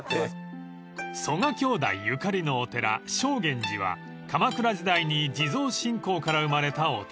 ［曽我兄弟ゆかりのお寺正眼寺は鎌倉時代に地蔵信仰から生まれたお寺］